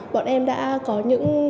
bọn em đã có những